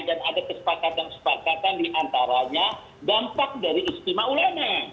dan ada kesepakatan kesepakatan diantaranya dampak dari istimewa ulana